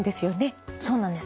そうなんです。